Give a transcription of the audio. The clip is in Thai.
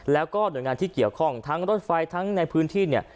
แล้วก็หน่วยงานที่เกี่ยวข้องทั้งรถไฟทั้งในพื้นที่เนี่ย